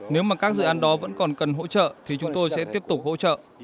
nếu mà các dự án đó vẫn còn cần hỗ trợ thì chúng tôi sẽ tiếp tục hỗ trợ